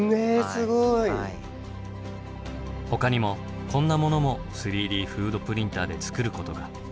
ほかにもこんなものも３Ｄフードプリンターで作ることが。